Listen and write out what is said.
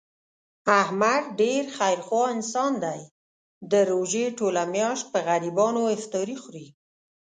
احمد ډېر خیر خوا انسان دی، د روژې ټوله میاشت په غریبانو افطاري خوري.